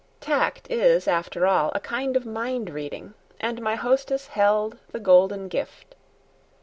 Tact is after all a kind of mindreading, and my hostess held the golden gift.